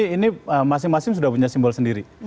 ini masing masing sudah punya simbol sendiri